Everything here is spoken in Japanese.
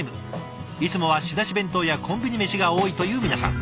いつもは仕出し弁当やコンビニメシが多いという皆さん。